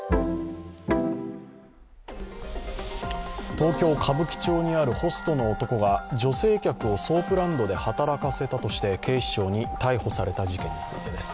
東京・歌舞伎町にあるホストの男が女性客をソープランドで働かせたとして警視庁に逮捕された事件についてです。